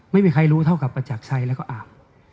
ไม่มีใครรู้เท่ากับประจักรชัยแล้วก็อ่าง